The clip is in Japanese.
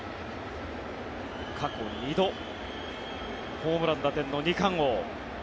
過去２度、ホームラン、打点の２冠王。